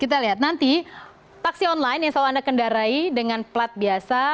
kita lihat nanti taksi online yang selalu anda kendarai dengan plat biasa